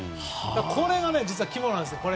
これが実は肝なんです。